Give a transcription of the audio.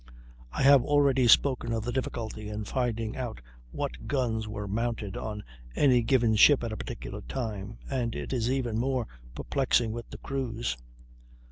I have already spoken of the difficulty in finding out what guns were mounted on any given ship at a particular time, and it is even more perplexing with the crews.